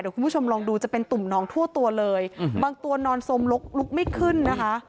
คุณผู้ชมลองดูจะเป็นตุ่มน้องทั่วตัวเลยบางตัวนอนสมลุกไม่ขึ้นนะคะ